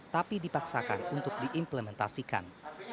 tapi dipaksakan untuk diimplementasikan